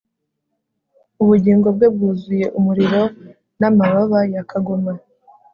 Ubugingo bwe bwuzuye umuriro namababa ya kagoma